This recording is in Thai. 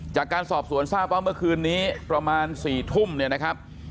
จากการสอบสวนทราบว่าเมื่อคืนนี้ประมาณ๔ทุ่มเนี่ยนะครับ